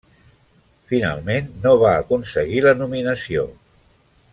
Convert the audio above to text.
Finalment, no va aconseguir la nominació.